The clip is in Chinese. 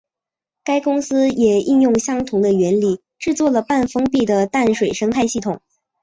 该公司也应用相同的原理制作了半封闭的淡水生态系统。